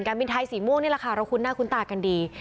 บินไทยสีม่วงนี่แหละค่ะเราคุ้นหน้าคุ้นตากันดี